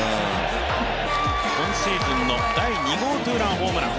今シーズンの第２号ツーランホームラン。